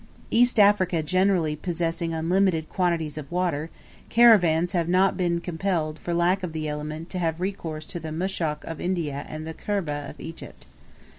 East Africa generally possessing unlimited quantities of water, caravans have not been compelled for lack of the element to have recourse to the mushok of India and the khirbeh of Egypt.